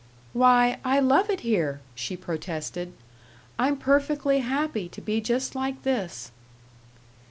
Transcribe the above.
"Why, I love it here!" she protested. "I'm perfectly happy to be just like this."